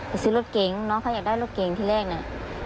ซื้อรถเก๋งน้องเขาอยากได้รถเก่งที่แรกน่ะ